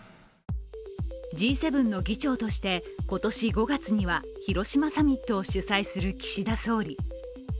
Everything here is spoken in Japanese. Ｇ７の議長として、今年５月には広島サミットを主催する岸田総理。